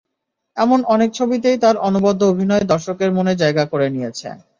এমন অনেক ছবিতেই তাঁর অনবদ্য অভিনয় দর্শকদের মনে জায়গা করে নিয়েছে।